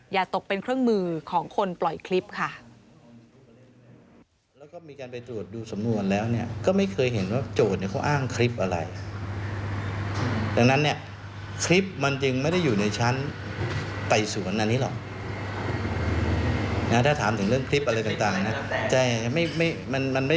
อย่าตกเป็นเครื่องมือของคนปล่อยคลิปค่ะ